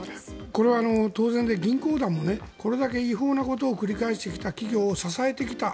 これは当然で銀行団もこれだけ違法なことを繰り返してきた企業を支えてきた。